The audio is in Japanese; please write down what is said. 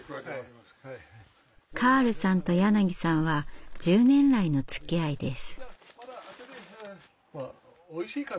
カールさんと柳さんは１０年来のつきあいです。